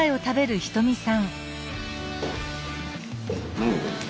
うん？